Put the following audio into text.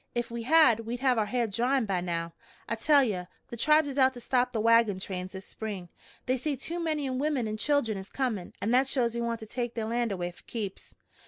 Ef we had, we'd have our ha'r dryin' by now. I tell ye, the tribes is out to stop the wagon trains this spring. They say too many womern and children is comin', an' that shows we want to take their land away fer keeps.